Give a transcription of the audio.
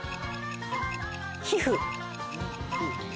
皮膚。